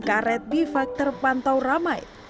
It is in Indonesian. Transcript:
karet bifak terpantau ramai